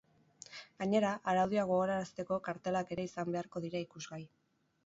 Gainera, araudia gogorarazteko kartelak ere izan beharko dira ikusgai.